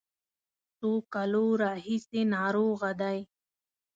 څو کالو راهیسې ناروغه دی.